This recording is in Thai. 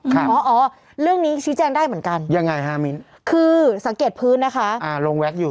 อ๋ออ๋อเรื่องนี้ชี้แจงได้เหมือนกันยังไงฮะมิ้นคือสังเกตพื้นนะคะอ่าลงแก๊กอยู่